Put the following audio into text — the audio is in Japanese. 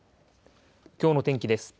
きょうの天気です。